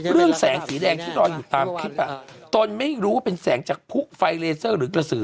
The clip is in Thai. แสงสีแดงที่ลอยอยู่ตามคลิปตนไม่รู้ว่าเป็นแสงจากผู้ไฟเลเซอร์หรือกระสือ